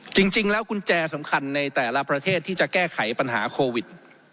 จริงแล้วกุญแจสำคัญในแต่ละประเทศที่จะแก้ไขปัญหาโควิด